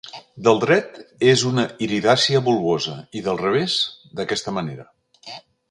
Del dret és una iridàcia bulbosa i del revés, d'aquesta manera.